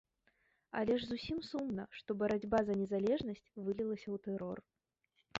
Але ж зусім сумна, што барацьба за незалежнасць вылілася ў тэрор.